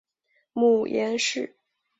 母阎氏。